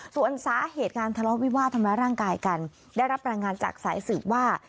ส่วนสาเหตุการทะเลาะวิวาดทำร้ายร่างกายกันได้รับรายงานจากสายสืบว่า